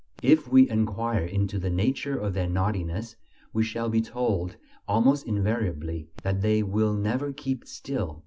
If we enquire into the nature of their naughtiness, we shall be told almost invariably that "they will never keep still."